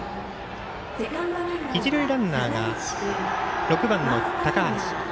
一塁ランナーが６番の高橋。